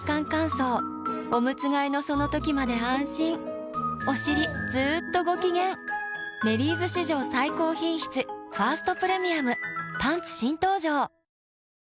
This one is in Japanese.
乾燥おむつ替えのその時まで安心おしりずっとご機嫌「メリーズ」史上最高品質「ファーストプレミアム」パンツ新登場！